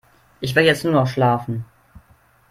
Ich will jetzt nur noch schlafen.